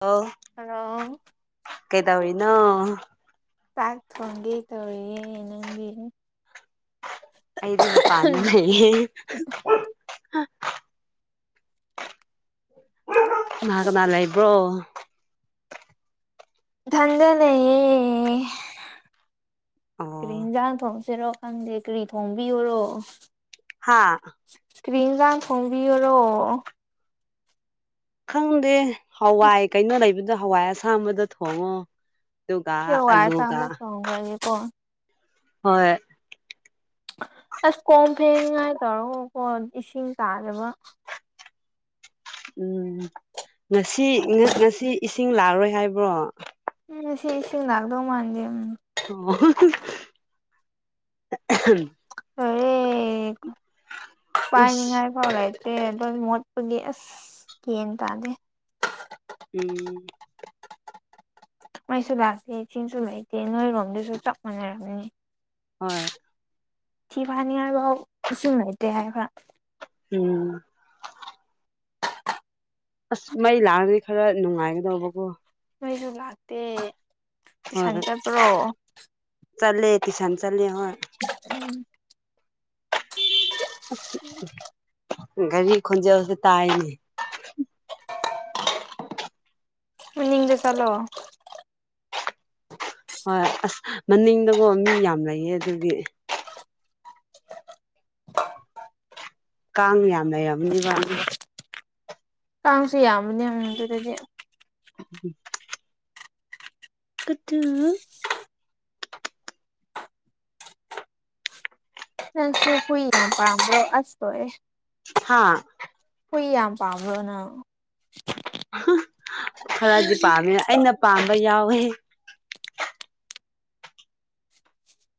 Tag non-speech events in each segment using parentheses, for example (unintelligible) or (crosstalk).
ꯑꯧ꯫ ꯍꯜꯂꯣ ꯆꯥꯛ ꯊꯣꯡ ꯒꯦ ꯇꯧꯔꯤꯑꯦ ꯅꯪ ꯗꯤ ꯑꯩꯗꯤ ꯃꯄꯥꯟꯗ ꯂꯩ ꯑꯦ ꯀꯅꯥ ꯀꯅꯥ ꯂꯩꯕ꯭ꯔꯣ ꯢꯊꯟꯗ ꯂꯩꯌꯦ ꯀꯩ ꯑꯣ ꯍꯦꯟꯖꯥꯡ ꯊꯣꯡꯁꯤꯔꯣ ꯈꯪꯗꯦ ꯀꯔꯤ ꯊꯣꯡꯕꯤꯌꯣꯔꯣ ꯍꯥꯥ ꯀꯔꯤ ꯏꯟꯖꯥꯡ ꯊꯣꯡꯕꯤꯌꯨꯔꯣ ꯈꯪꯗꯦ ꯍꯋꯥꯏ ꯀꯩꯅꯣ ꯂꯩꯕꯗꫭ ꯍꯋꯥꯏ ꯑꯁꯥꯝꯕꯗꫭ ꯊꯣꯡꯉꯣ ꯑꯗꯨꯒ ꯁꯤ ꯍꯋꯥꯥꯏ ꯑꯂꯨꯒ ꯑꯁꯥꯡꯕ ꯊꫭꯡꯉꯔꯒꯦꯀꫭ ꯍꯣꯏ ꯑꯁ ꯀꯣꯟ ꯐꯦꯡꯅꯤꯡꯉꯥꯏꯒꯉꯀꫭ ꯏꯁꯤꯡ ꯇꯥꯗꯕ ꯎꯝ ꯉꯁꯤ ꯉꯁꯤ ꯏꯁꯤꯡ ꯂꯥꯛꯔꯣꯏ ꯍꯥꯏꯕ꯭ꯔꯣ ꯎꯝ ꯉꯁꯤ ꯏꯁꯤꯡ ꯂꯥꯛꯇꯧ ꯃꯥꯟꯗꯦ ꯑꯣ ꯐꯔꯦ ꯑꯁ ꯄꯥꯏꯅꯤꯉꯥꯏ ꯐꯥꯎ ꯂꯩꯥꯏꯇꯦ ꯑꯗꯨ ꯃꯣꯠꯄꯒꯤ ꯑꯁ ꯒꯌ꯭ꯥꯟ ꯇꯥꯗꯦ ꯎꯝ ꯃꯩꯁꯨ ꯂꯥꯛꯇꯦ ꯆꯤꯡꯁꯨ ꯂꯩꯇꯦ ꯅꯣꯏꯔꯣꯝꯗꯁꯨ ꯆꯞ ꯃꯥꯟꯅꯔꯝꯒꯅꯤ ꯍꯣꯏ ꯊꯤ ꯐꯥꯅꯤꯉꯥꯏꯐꯥꯎ ꯏꯁꯤꯡ ꯂꯩꯇꯦ ꯍꯥꯏꯕ ꯎꯝ ꯑꯁ ꯃꯩ ꯂꯥꯛꯑꯗꯤ ꯈꯔ ꯅꯨꯡꯉꯥꯏꯒꯗꯧꯕꯀꯣ ꯃꯩꯁꯨ ꯂꯥꯛꯇꯦ ꯇꯨꯏꯁꯟ ꯍꯣꯏ ꯆꯠꯄꯔꯣ ꯆꯠꯂꯦ ꯇꯨꯏꯁꯟ ꯆꯠꯂꯦ ꯍꯣꯏ ꯎꯝ ꯒꯥꯔꯤ ꯈꯣꯟꯖꯦꯜꯁꯨ ꯇꯥꯏꯅꯦ ꯃꯅꯤꯡꯗ ꯆꯠꯂꯣ ꯍꯣꯏ ꯑꯁ ꯃꯅꯤꯡꯗꯀꯣ ꯃꯤ ꯌꯥꯝ ꯂꯩꯌꯦ ꯑꯗꯨꯒꯤ ꯀꯥꯡ ꯌꯥꯝ ꯂꯩꯔꯝ ꯀꯥꯡꯁꯨ ꯌꯥꯝꯕꯅꯦ ꯑꯗꯨꯗꯗꯤ (unintelligible) ꯀꯨꯇꯨ ꯅꯪꯁꯨ ꯍꯨꯏ ꯌꯥꯝ ꯄꯥꯝꯕꯔꯣ ꯑꯁ ꯂꯣꯏꯔꯦ ꯍꯥꯥ ꯍꯨꯏ ꯌꯥꯝ ꯄꯥꯝꯕ꯭ꯔꯣ ꯅꯪ ꯈꯔꯗꯤ ꯄꯥꯝꯃꯦ ꯑꯩꯅ ꯄꯥꯝꯕ ꯌꯥꯎꯋꯦ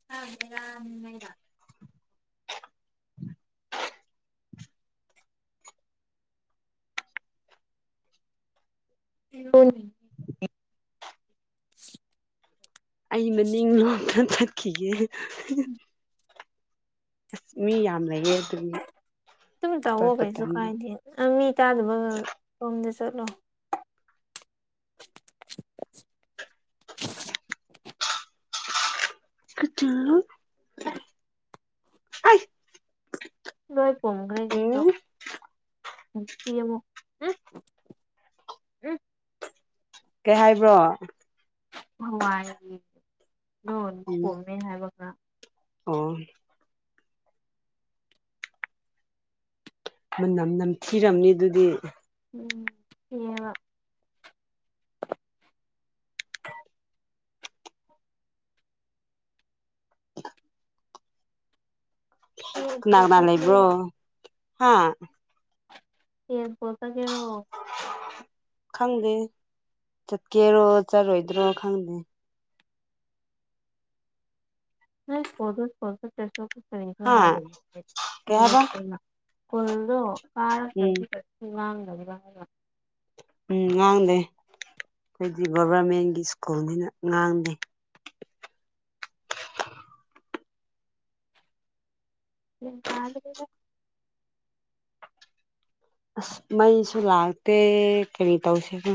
(unintelligible) (unintelligible) ꯑꯩ ꯃꯅꯤꯡ ꯂꯣꯝꯗ ꯆꯠꯈꯤꯒꯦ ꯑꯁ ꯃꯤ ꯌꯥꯝ ꯂꯩꯌꯦ ꯑꯗꯨꯒꯤ ꯑꯗꯨꯝ ꯇꯧꯋꯣ ꯆꯠꯄ ꯀꯩꯁꯨ ꯇꯟꯕ ꯀꯥꯏꯗꯦ ꯅꯪ ꯃꯤ ꯇꯥꯗꯕꯒ ꯔꯣꯝꯗ ꯆꯠꯂꯣ (unintelligible) ꯀꯨꯇꯨ ꯑꯦ (unintelligible) ꯅꯣꯏ ꯀꯣꯡꯒ꯭ꯔꯦꯖꯤꯖꯨ ꯎꯝ ꯅꯝꯊꯤꯌꯦꯉꯣ ꯎꯝ ꯎꯝ ꯀꯩ ꯍꯥꯏꯕ꯭ꯔꯣ ꯍꯋꯥꯏꯗꯣ ꯎꯝ ꯄꯨꯝꯃꯦ ꯍꯥꯏꯕꯒ ꯑꯣ ꯃꯅꯝ ꯅꯝꯊꯤꯔꯝꯅꯤ ꯑꯗꯨꯗꯤ ꯎꯝ ꯊꯤꯌꯦꯕ (inaudible) ꯌꯦꯟ ꯀꯅꯥ ꯄꯨ ꯀꯅꯥ ꯆꯠꯀꯦꯔꯣ ꯂꯩꯕ꯭ꯔꯣ ꯍꯥ (unintelligible) ꯈꯪꯗꯦ ꯆꯠꯀꯦꯔꯣ ꯆꯠꯂꯣꯏꯗ꯭ꯔꯣ ꯈꯪꯗꯦ (unintelligible) ꯍꯥ ꯀꯩ ꯍꯥꯏꯕ (unintelligible) ꯉꯥꯡꯗꯕ꯭ꯔꯥ ꯎꯝ ꯍꯥꯏꯕ ꯎꯝ ꯉꯥꯡꯗꯦ ꯈꯣꯏꯗꯤ ꯒꯣꯚꯔꯃꯦꯟꯒꯤ ꯁ꯭ꯀꯨꯜꯅꯤꯅ ꯉꯥꯡꯗꯦ (unintelligible) ꯑꯁ ꯃꯩꯁꯨ ꯂꯥꯛꯇꯦ ꯀꯔꯤ ꯇꯧꯁꯤꯒꯦ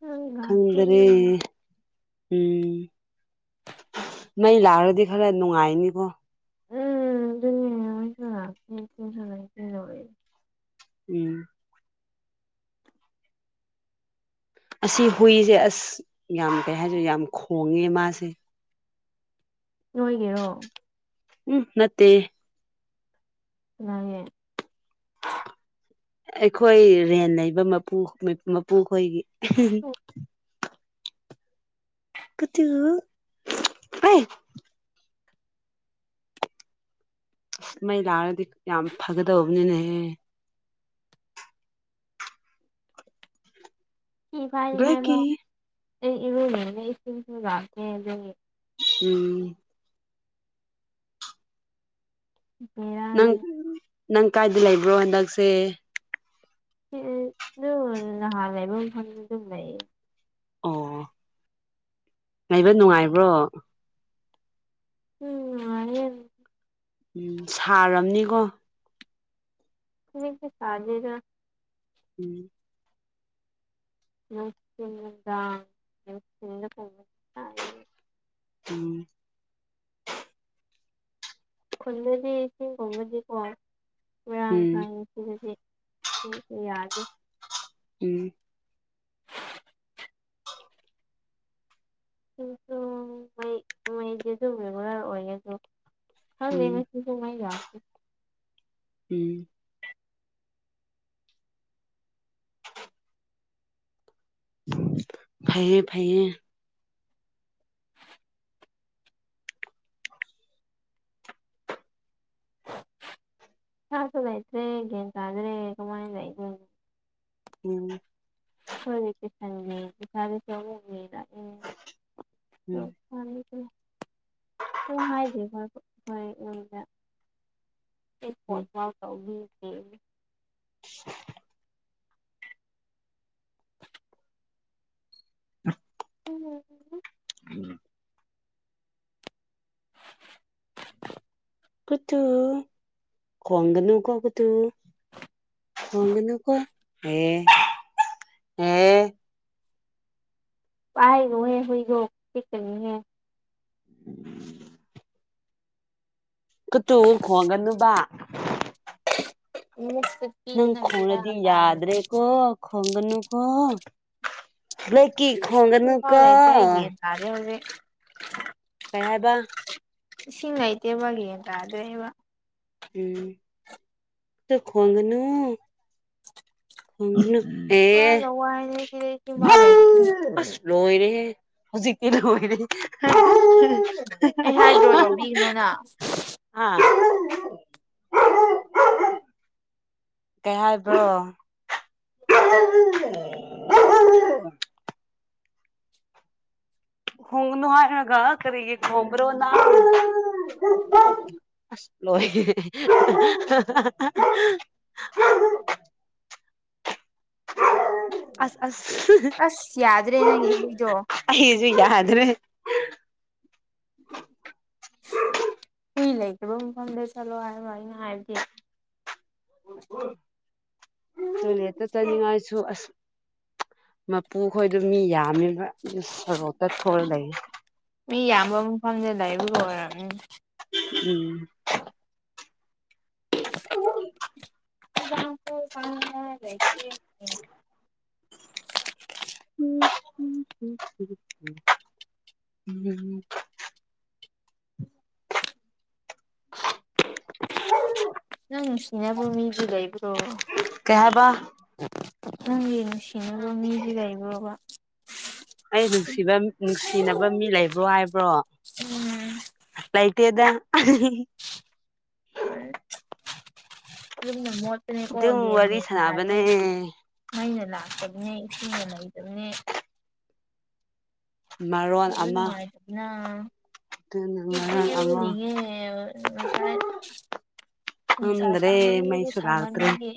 ꯅꯣꯏꯒꯥꯡꯁꯦ ꯈꯪꯗ꯭ꯔꯦ ꯎꯝ ꯎꯝ ꯃꯩ ꯂꯥꯛꯔꯗꯤ ꯈꯔ ꯅꯨꯡꯉꯥꯏꯅꯤꯀꯣ (unintelligible) (unintelligible) ꯎꯝ ꯑꯁꯤ ꯍꯨꯏꯖꯦ ꯑꯁ ꯌꯥꯝ ꯀꯩ ꯍꯥꯏꯗꯣꯏꯅꯣ ꯌꯥꯝ ꯈꯣꯡꯉꯦ ꯃꯥꯁꯦ ꯅꯣꯏꯒꯤꯔꯣ ꯎꯝ ꯅꯠꯇꯦ ꯀꯅꯥꯒꯤ ꯑꯩꯈꯣꯏ ꯔꯦꯟ ꯂꯩꯕ ꯃꯄꯨ ꯃꯄꯨꯈꯣꯏꯒꯤ ꯀꯨꯇꯨ ꯑꯥꯏ ꯃꯩ ꯂꯥꯛꯔꯗꯤ ꯌꯥꯝ ꯐꯒꯗꯧꯕꯅꯤꯅꯦ ꯊꯤ ꯐꯥꯏꯔꯤꯉꯩꯗ ꯕ꯭ꯂꯦꯛꯀꯤ ꯑꯩ ꯏꯔꯨꯖꯕꯩ ꯏꯁꯤꯡꯁꯨ ꯂꯥꯛꯇꯦ ꯑꯗꯨꯒꯤ ꯎꯝ (unintelligible) ꯅꯪ ꯅꯪ ꯀꯥꯏꯗ ꯂꯩꯕ꯭ꯔꯣ ꯍꯟꯗꯛꯁꯦ ꯑꯗꯨꯝ ꯅꯍꯥꯟ ꯂꯩꯕ ꯃꯐꯝꯗ ꯑꯗꯨꯝ ꯂꯩꯌꯦ ꯑꯣ ꯂꯩꯕ ꯅꯨꯡꯉꯥꯏꯕ꯭ꯔꯣ ꯎꯝ ꯅꯨꯡꯉꯥꯏꯌ‌ꯦ ꯎꯝ ꯁꯥꯔꯝꯅꯤꯀꯣ ꯀ꯭ꯔꯤꯁꯨ ꯁꯥꯗ‌ꯦꯗ ꯎꯝ (unintelligible) ꯎꯝ ꯈꯨꯟꯗꯗꯤ ꯏꯁꯤꯡꯒꯨꯝꯕꯗꯤꯀꯣ ꯃꯔꯥꯡ ꯎꯝ ꯀꯥꯏ (unintelligible) ꯌꯥꯗ‌ꯦ ꯎꯝ ꯃꯩ ꯃꯩꯁꯦꯁꯨ ꯕꯦꯕꯨꯔꯥ ꯑꯣꯏꯌ‌ꯦ ꯑꯗ‌ꯣ ꯈꯪꯗ‌ꯦꯍ‌ꯦ ꯎꯝ ꯍꯧꯖꯤꯛꯁꯨ ꯃꯩ ꯂꯥꯛꯇ‌ꯦ ꯎꯝ ꯐꯩꯌꯦ ꯐꯩꯌꯦ ꯁꯥꯁꯨ ꯂꯩꯇ꯭ꯔ‌ꯦ ꯒ꯭ꯌꯥꯟ ꯇꯗꯔ‌ꯦ ꯀꯃꯥꯏ ꯂꯩꯗ‌ꯣꯏꯅ‌ꯣ ꯎꯝ (unintelligible) ꯎꯝ (unintelligible) ꯍꯣꯏ ꯍꯥꯏꯁꯦ ꯍꯣꯏ ꯍꯣꯏ ꯎꯝꯅ ꯎꯝ (unintelligible) ꯇꯧꯋ‌ꯦꯌ‌ꯦ (unintelligible) (unintelligible) ꯎꯝ ꯎꯝ ꯎꯝ ꯎꯝ ꯀꯨꯇꯨ ꯈꫭꯡꯒꯅꯨꯀꫭ ꯀꯨꯇꯨ ꯈꫭꯡꯒꯅꯨꯀꯣ ꯍꯦ ꯍꯦ ꯄꯥꯏꯅꯨꯍꯦ ꯍꯨꯏꯗ‌ꯣ ꯆꯤꯛꯀꯅꯤꯅ‌ꯦ (unintelligible) ꯀꯨꯇꯨ ꯈꯣꯡꯒꯅꯨꯕ ꯅꯪꯁꯦ ꯅꯪ ꯈꯣꯡꯂꯗꯤ ꯌꯥꯗ꯭ꯔꯦꯀꯣ ꯈꯣꯡꯒꯅꯨꯀꯣ ꯕ꯭ꯂ‌ꯦꯛꯀꯤ ꯈ‌ꯣꯡꯒꯅꯨꯀꫭ ꯀꯔꯦ ꯍꯧꯖꯤꯛ ꯀꯩ ꯍꯥꯏꯕ ꯏꯁꯤꯡ ꯂꯩꯇꯦꯕ ꯅ‌ꯣꯏꯒꯤ ꯂ‌ꯦꯟꯇꯥꯗ‌ꯦꯕ ꯎꯝ ꯇꯨ ꯈꫭꯡꯒꯅꯨ (unintelligible) ꯈꫭꯡꯒꯅꯨ ꯄꯨꯔꯥ ꯍ‌ꯦ ꯂꯋꯥꯏꯅꯦ ꯁꯤꯗ ꯏꯁꯤꯡ ꯐꯥꯎ ꯂꯩꯇꯦ ꯑꯁ ꯂꯣꯏꯔꯦꯍ‌ꯦ ꯍꯧꯖꯤꯛꯇꯤ ꯂꯣꯏꯔꯦ ꯑꯩ ꯍꯥꯏꯗ꯭ꯔꯣ ꯇꯧꯕꯤꯒꯅꯣ ꯅꯪ ꯑꯥ ꯀꯩ ꯍꯥꯏꯕ꯭ꯔꯣ ꯈꯣꯡꯒꯅꯨ ꯍꯥꯔꯒ ꯀꯔꯤꯒꯤ ꯈꯣꯝꯕꯔꯣ ꯅꯪ ꯑꯁ ꯂꯣꯏꯔ‌ꯦ ꯑꯁ ꯑꯁ ꯑꯁ ꯌꯥꯗ꯭ꯔꯦ ꯅꯪꯒꯤ ꯍꯨꯏꯗꯣ ꯑꯩꯖꯨ ꯌꯥꯗ꯭ꯔꯦ (unintelligible) ꯍꯨꯏ ꯂꯩꯇꯕ ꯃꯐꯝꯗ ꯆꯠꯂꯣ ꯍꯥꯏꯕ ꯑꯩꯅ ꯍꯥꯏꯕꯗꯤ ꯇꯣꯏꯂꯦꯠꯇ ꯆꯠꯅꯤꯡꯉꯥꯏ ꯁꯨ ꯑꯁ ꯃꯄꯨ ꯈꯣꯏꯗꯣ ꯃꯤ ꯌꯥꯝꯃꯤꯕ ꯑꯁ ꯁ‌ꯣꯔꯣꯛꯇ ꯊꯣꯛꯑꯒ ꯂꯩꯌꯦ ꯃꯤ ꯌꯥꯝꯕ ꯃꯐꯝꯗ ꯂꯩꯕꯒꯤ ꯑꯣꯏꯔꯝꯅꯤ ꯎꯝ (inaudible) ꯎꯝ ꯎ ꯎꯝ (inaudible) ꯅꯪ ꯅꯨꯡꯁꯤꯅꯕ ꯃꯤꯗꯤ ꯂꯩꯕ꯭ꯔꯣ ꯀꯩ ꯍꯥꯏꯕ ꯅꯪꯒꯤ ꯅꯨꯡꯁꯤꯅꯕ ꯃꯤꯗꯤ ꯂꯩꯥꯕ꯭ꯔꯣꯕ ꯑꯩ ꯅꯨꯡꯁꯤꯕ ꯅꯨꯡꯁꯤꯅꯕ ꯃꯤ ꯂꯩꯕ꯭ꯔꯣ ꯍꯥꯏꯕ꯭ꯔꯣ ꯎꯝ ꯂꯩꯇꯦꯗ ꯌꯨꯝꯅ ꯃꯣꯠꯄꯅꯦꯀꯣ ꯌꯦꯟ ꯋꯥꯔꯤ ꯃꯦꯟ ꯁꯥꯟꯅꯕꯅꯦ ꯇꯗ꯭ꯔꯦꯅꯦ ꯃꯩꯅ ꯂꯥꯛꯇꯕꯅꯦ ꯏꯁꯤꯡꯅ ꯂꯩꯇꯕꯅꯦ ꯃꯔꯣꯟ ꯑꯗꯨ ꯑꯃ ꯅꯨꯡꯉꯥꯏꯇꯕꯅ ꯑꯗꯨꯅ ꯏꯁꯨ ꯃꯔꯣꯟ ꯑꯃ ꯏꯔꯨꯅꯤꯡꯉꯦꯕ ꯉꯁꯥꯏ ꯅꯨꯡꯁꯥ ꯈꯪꯗ꯭ꯔꯦ ꯁꯥꯃꯟꯕꯒꯤ ꯃꯩꯁꯨ ꯂꯥꯛꯇ꯭ꯔꯦ ꯁꯥꯃꯟꯕꯒꯤ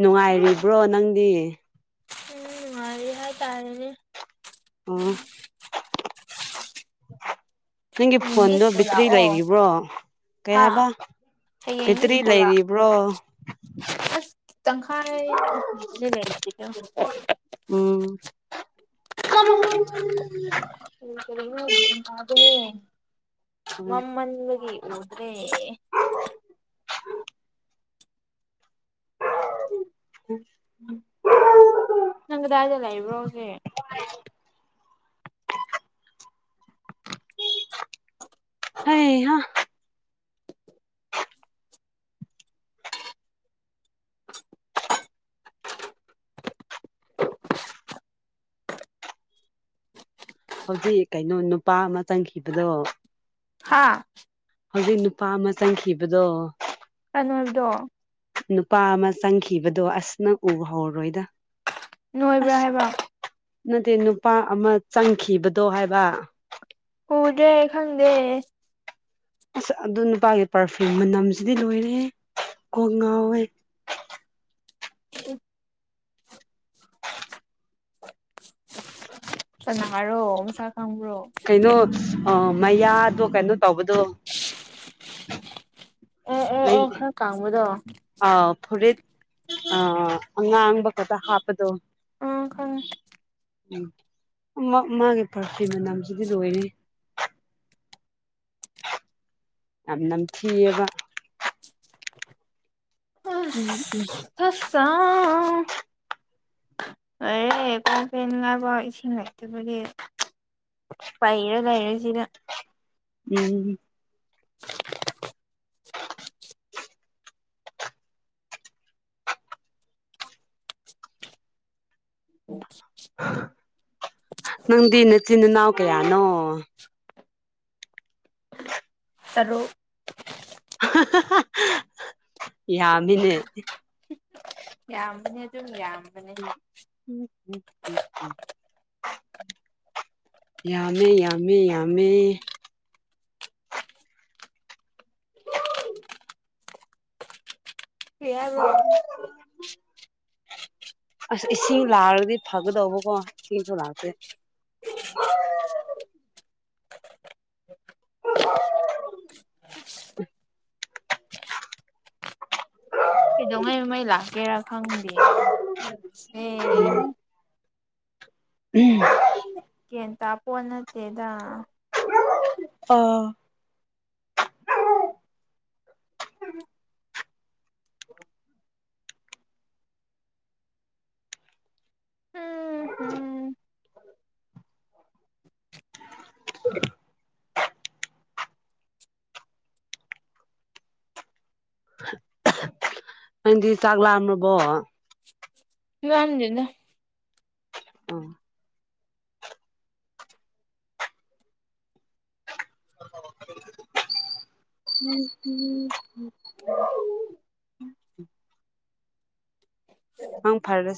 ꯅꯨꯡꯉꯥꯏꯔꯤꯕ꯭ꯔꯣ ꯅꯪꯗꯤ ꯎꯝ ꯅꯨꯡꯉꯥꯏꯔꯤ ꯍꯥꯏ ꯇꯥꯔꯦꯅꯦ ꯎꯝ ꯅꯪꯒꯤ ꯍꯌꯦꯡꯗꯤ ꯐꯣꯟꯗꯣ ꯁ꯭ꯀꯨꯜ ꯕꯦꯇ꯭ꯔꯤ ꯂꯥꯛꯑꯣ ꯂꯩꯔꯤꯕ꯭ꯔꯣ ꯀꯩ ꯍꯥ ꯍꯥꯏꯕ ꯍꯌꯦꯡꯗꯤ ꯕꯦꯇ꯭ꯔꯤ ꯁ꯭ꯀꯨꯜ ꯂꯥꯛ ꯂꯩꯔꯤꯕ꯭ꯔꯣ ꯑꯁ ꯇꯪꯈꯥꯏ ꯕꯦꯇ꯭ꯔꯤ ꯂꯩꯇ꯭ꯔꯤꯗ ꯎꯝ (inaudible) ꯎꯝ ꯀꯔꯤ ꯒ꯭ꯌꯥꯟ ꯇꯗꯔꯦ ꯎꯝ ꯃꯝꯃꯟꯕꯒꯤ ꯎꯗ꯭ꯔꯦ (inaudible) ꯅꯪ ꯀꯗꯥꯏꯗ ꯂꯩꯕ꯭ꯔꯣ ꯍꯧꯖꯤꯛ ꯍꯩ ꯍꯥ ꯍꯧꯖꯤꯛ ꯀꯩꯅꯣ ꯅꯨꯄꯥ ꯑꯃ ꯆꯪꯈꯤꯕꯗꯣ ꯍꯥꯥ ꯍꯧꯖꯤꯛ ꯅꯨꯄꯥ ꯑꯃ ꯆꯪꯈꯤꯕꯗꯣ ꯑꯅꯣꯏꯕꯗꯣ ꯅꯨꯄꯥ ꯑꯃ ꯆꯪꯈꯤꯕꯗꯣ ꯑꯁ ꯅꯪ ꯎ ꯍꯧꯔꯣꯏꯗ ꯅꯣꯏꯕ꯭ꯔꯥ ꯑꯁ ꯍꯥꯏꯕ ꯅꯠꯇꯦ ꯅꯨꯄꯥ ꯑꯃ ꯆꯪꯈꯤꯕꯗꯣ ꯍꯥꯏꯕ ꯎꯗ꯭ꯔꯦ ꯈꯪꯗꯦ ꯑꯁ ꯑꯗꯨ ꯅꯨꯄꯥꯒꯤ ꯄꯥꯔꯐ꯭ꯌꯨꯝ ꯃꯅꯝꯁꯤꯗꯤ ꯂꯣꯏꯔꯦꯍꯦ ꯀꯣꯛ ꯉꯥꯎꯋꯦ (unintelligible) ꯀꯅꯔꯣ ꯃꯁꯛ ꯈꯪꯕ꯭ꯔꯣ ꯀꯩꯅꯣ ꯑꯥ ꯃꯌꯥꯗꯣ ꯀꯩꯅꯣ ꯇꯧꯕꯗꯣ ꯑꯣ ꯑꯣ ꯃꯩ ꯑꯣ ꯈꯔ ꯀꯥꯡꯕꯗꯣ ꯑꯥ ꯐꯨꯔꯤꯠ ꯑ ꯑꯉꯥꯡꯕ ꯈꯛꯇ ꯍꯥꯞꯄꯗꯣ ꯑ ꯈꯪꯉꯦ ꯎꯝ ꯃꯥꯒꯤ ꯄꯔꯐ꯭ꯌꯨꯝ ꯃꯅꯝꯁꯤꯗꯤ ꯂꯣꯏꯔꯦ ꯍꯦ ꯌꯥꯝ ꯅꯝꯊꯤꯌꯦꯕ ꯎꯝ ꯎꯝ (inaudible) ꯑꯦ ꯀꯣꯟ ꯐꯦꯡꯅꯕ ꯏꯁꯤꯡ ꯂꯩꯇꯕꯒꯤ ꯄꯩꯔ ꯂꯩꯔꯦꯁꯤꯗ ꯎꯝ (inaudible) ꯅꯪꯗꯤ ꯅꯆꯤꯟ ꯅꯅꯥꯎ ꯀꯌꯥꯅꯣ ꯇꯔꯨꯛ ꯌꯥꯝꯃꯤꯅꯦ ꯌꯥꯝꯕꯅꯦ ꯑꯗꯨꯝ ꯌꯥꯝꯕꯅꯦ (unintelligible) ꯌꯥꯝꯃꯦ ꯌꯥꯝꯃꯤ ꯌꯥꯝꯃꯦ ꯀꯔꯤ ꯍ ꯍꯥꯏꯕ꯭ꯔꯣ ꯑꯁ ꯏꯁꯤꯡ ꯂꯥꯛꯂꯗꯤ ꯐꯒꯗꯧꯕꯀꯣ ꯏꯁꯤꯡꯁꯨ ꯂꯥꯛꯇ꯭ꯔꯦ (inaudible) ꯑꯣ (inaudible) ꯀꯩꯗꯧꯉꯩ ꯃꯩ ꯂꯥꯛꯀꯦꯔꯥ ꯈꯪꯗꯦ ꯑꯦ ꯎꯝ ꯀꯦꯟꯇꯥꯥꯄꯣ ꯅꯠꯇꯦꯗ ꯑꯥ ꯑ ꯎꯝꯝ ꯎ ꯅꯪꯗꯤ ꯆꯥꯛ ꯂꯥꯝꯔꯕꯣ ꯂꯝꯗꯦꯗꯥ ꯑꯥ ꯍ (inaudible) ꯃꯪ ꯐꯔꯁ